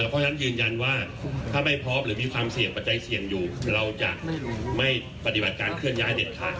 เพราะฉะนั้นยืนยันว่าถ้าไม่พร้อมหรือมีความเสี่ยงปัจจัยเสี่ยงอยู่เราจะไม่ปฏิบัติการเคลื่อนย้ายเด็ดขาด